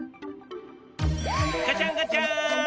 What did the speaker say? ガチャンガチャン！